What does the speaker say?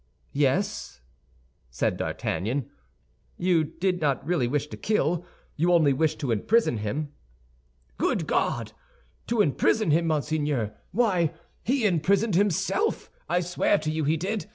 "Yes," said D'Artagnan, "you did not really wish to kill; you only wished to imprison him." "Good God! To imprison him, monseigneur? Why, he imprisoned himself, I swear to you he did.